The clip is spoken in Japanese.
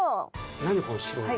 何この白いの。